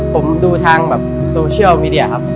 ผมดูทางแบบโซเชียลมีเดียครับ